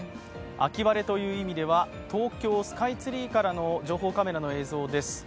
秋晴れという意味では東京スカイツリーからの情報開示の映像です。